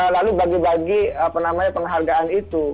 lalu bagi bagi penghargaan itu